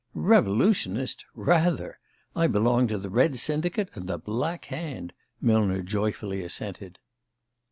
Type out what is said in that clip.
"Revolutionist? Rather! I belong to the Red Syndicate and the Black Hand!" Millner joyfully assented.